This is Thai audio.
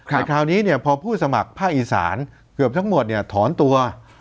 แต่คราวนี้พอผู้สมัครภาคอีสานเกือบทั้งหมดถอนตัว